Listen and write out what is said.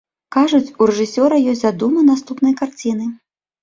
Кажуць, у рэжысёра ёсць задума наступнай карціны.